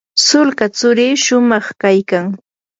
sulka tsurikiy shumaq kaykan.